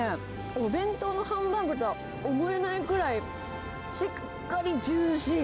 お弁当のハンバーグとは思えないぐらい、しっかりジューシー。